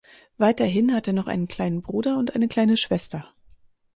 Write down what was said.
Weiterhin hat er noch einen kleinen Bruder und eine kleine Schwester.